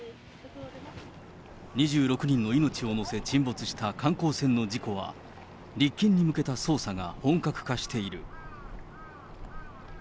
２６人の命を乗せ、沈没した観光船の事故は、立件に向けた捜査が本格化している。